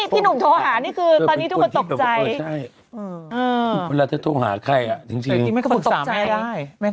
พี่หนุ่มโทรหานี่คือตอนนี้นุ่มตกใจ